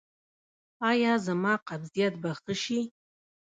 ایا زما قبضیت به ښه شي؟